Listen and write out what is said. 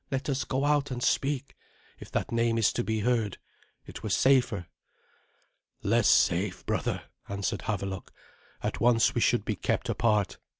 "Let us go out and speak, if that name is to be heard. It were safer." "Less safe, brother," answered Havelok. "At once we should be kept apart.